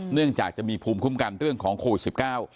เนื่องจากจะมีภูมิคุ้มกันเรื่องของโควิดสิบเก้า